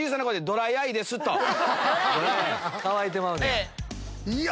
乾いてまうねや。